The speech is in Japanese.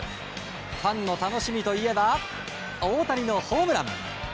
ファンの楽しみといえば大谷のホームラン。